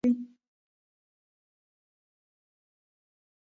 باسواده نجونې د چاپیریال ساتنې ته پام کوي.